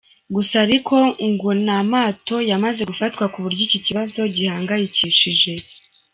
Gusa ariko, ngo n’amato yamaze gufatwa ku buryo iki kibazo gihangayikishije.